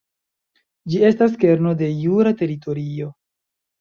Ĝi estas kerno de jura teritorio.